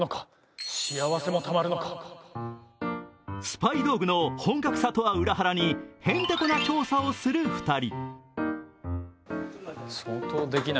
スパイ道具の本格さとは裏腹にへんてこな調査をする２人。